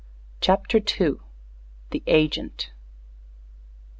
CHAPTER II. THE AGENT.